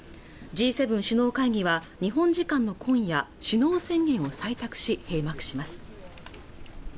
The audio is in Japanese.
Ｇ７首脳会議は日本時間の今夜首脳宣言を採択し閉幕します